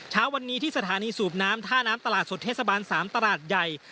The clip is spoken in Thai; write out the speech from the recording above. เช้าวันนี้ที่สถานีสูบน้ำท่าน้ำตลาดสดเทศบาล๓ตลาดใหญ่